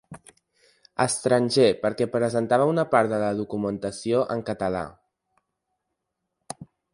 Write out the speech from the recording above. Estranger perquè presentava una part de la documentació en català.